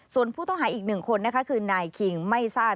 ส่วนผู้ต้องหาอีกหนึ่งคนนะคะคือนายคิงไม่ทราบ